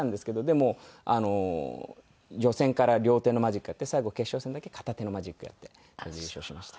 でも予選から両手のマジックやって最後決勝戦だけ片手のマジックやって優勝しました。